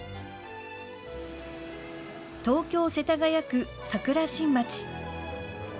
東京世田谷区桜新町。